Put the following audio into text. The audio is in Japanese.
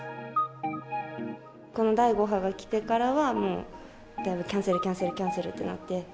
この第５波が来てからはもう、キャンセルキャンセルキャンセルってなって。